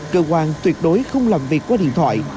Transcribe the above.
cơ quan tuyệt đối không làm việc qua điện thoại